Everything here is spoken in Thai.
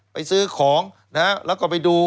ไปซื้อของน่ะและก็ไปดู